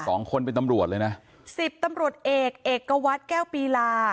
สองคนเป็นตำรวจเลยนะสิบตำรวจเอกเอกวัตรแก้วปีลา